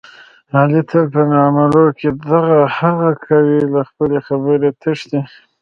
علي تل په معاملو کې دغه هغه کوي، له خپلې خبرې تښتي.